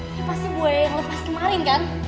ini pasti buaya yang lepas kemarin kan